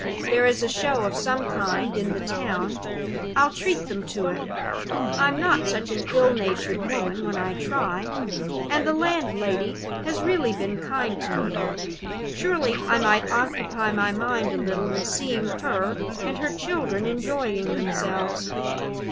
There is a show of some kind in the town I'll treat them to it. I'm not such an ill natured woman when I try; and the landlady has really been kind to me. Surely I might occupy my mind a little in seeing her and her children enjoying themselves.